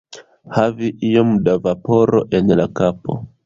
Havi iom da vaporo en la kapo.